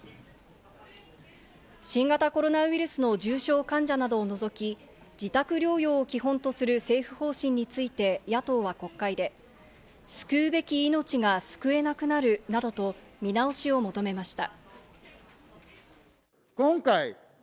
新型コロナウイルスの重症患者などを除き、自宅療養を基本とする政府方針について、野党は国会で救うべき命が救えなくなるなどと見直しを求めました。